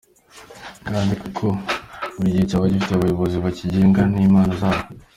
Kandi koko buri gice cyari cyifitiye abayobozi bakigenga n’imana zaho.